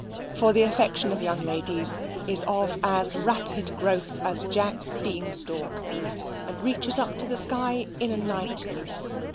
For the affection of young ladies is of as rapid growth as Jack's bean stalk, and reaches up to the sky in a night.